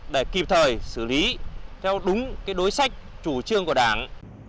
để kịp thời xử lý theo đúng đối sách chủ trương của đảng